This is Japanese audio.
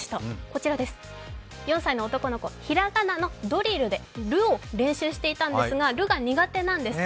こちらです、４歳の男の子ひらがなのドリルで「る」を練習していたんですが、「る」が苦手なんです。